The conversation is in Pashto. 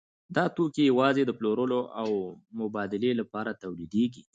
دا توکي یوازې د پلورلو او مبادلې لپاره تولیدېږي